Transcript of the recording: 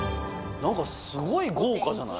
なんかすごい豪華じゃない？